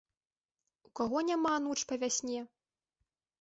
У каго няма ануч па вясне?